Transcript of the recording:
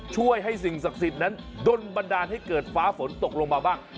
ช่วยให้สิ่งศักดิ์สิทธิ์นั้นโดนบันดาลให้เกิดฟ้าฝนตกลงมาบ้าง